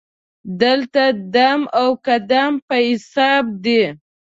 دلته دم او قدم په حساب دی.